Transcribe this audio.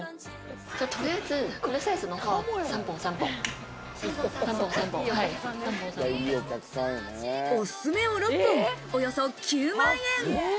とりあえず、このサイズの買おすすめを６本およそ９万円。